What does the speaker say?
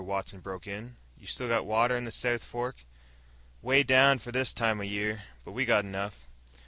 Watson broke in. "You still got water in the South Fork?" "Way down for this time o' year. But we got enough."